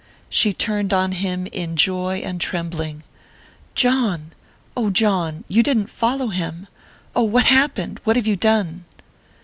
She turned on him in joy and trembling. "John! Oh, John! You didn't follow him? Oh, what happened? What have you done?"